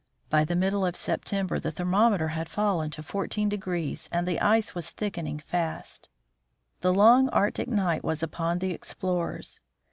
By the middle of Sep tember the thermometer had fallen to 14 and the ice was thickening fast. The long Arctic night was upon the explorers.